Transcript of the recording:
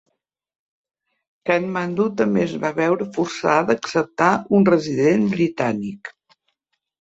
Katmandú també es va veure forçada a acceptar un Resident Britànic.